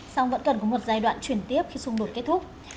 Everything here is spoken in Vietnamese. song vẫn cần có một giai đoạn chuyển tiếp khi xung đột kết thúc